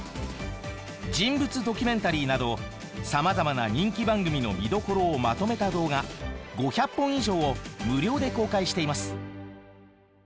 人物ドキュメンタリーなどさまざまな人気番組の見どころをまとめた動画５００本以上を無料で公開しています。